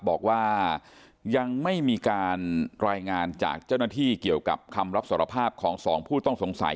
บอกว่ายังไม่มีการรายงานจากเจ้าหน้าที่เกี่ยวกับคำรับสารภาพของสองผู้ต้องสงสัย